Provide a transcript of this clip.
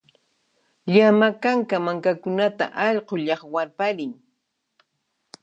Llama kanka mankakunata allqu llaqwarparin